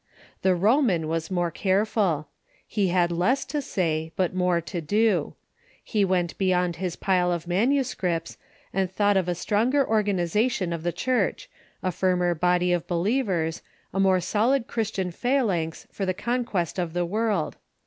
The Roman was more careful. He liad less to sa}^ but more to do. He went beyond his pile of manuscripts, and thought of a stronger organization of the Church, a firmer body of believ ers, a more solid Christian phalanx for the conquest of the world.